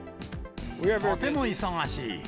とても忙しい。